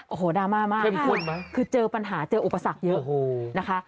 โอ้โหดราม่ามากคือเจอปัญหาเจออุปสรรคเยอะนะคะ